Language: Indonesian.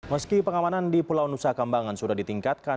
meski pengamanan di pulau nusa kambangan sudah ditingkatkan